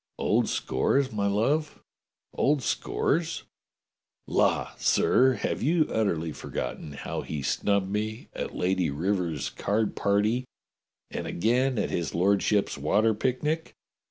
'* Old scores, my love ? Old scores .^" "La, sir, have you utterly forgotten how he snubbed me at Lady Rivers's card party and again at his lord ship's water picnic?